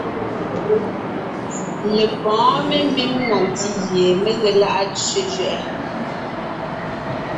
Lepɔ̌ɔn membím na ntí gie mé ge lá’a tsẅé zẅɛʼɛ;